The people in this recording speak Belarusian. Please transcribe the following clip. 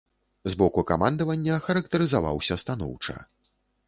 З боку камандавання характарызаваўся станоўча.